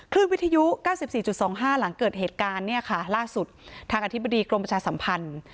วิทยุ๙๔๒๕หลังเกิดเหตุการณ์เนี่ยค่ะล่าสุดทางอธิบดีกรมประชาสัมพันธ์